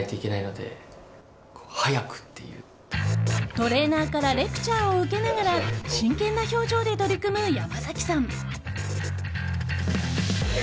トレーナーからレクチャーを受けながら真剣な表情で取り組む山崎さん。